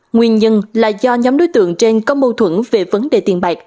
nguyên nhân là do nhóm đối tượng trên có mâu thuẫn về vấn đề tiền bạc